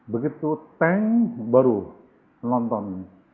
begitu teng baru menonton